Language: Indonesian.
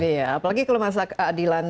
iya apalagi kalau masa keadilan